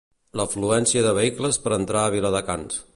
L'afluència de vehicles per entrar a Viladecans.